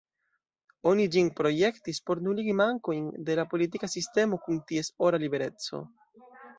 Oni ĝin projektis por nuligi mankojn de la politika sistemo kun ties ora libereco.